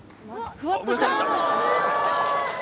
ふわっとした。